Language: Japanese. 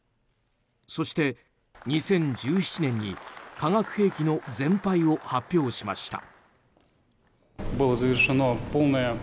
そして、２０１７年に化学兵器の全廃を発表しました。